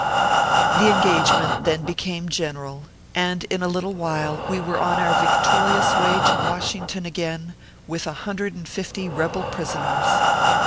The engagement then became general, and in a little while we were on our victorious way to Wash ington again, with 150 rebel prisoners.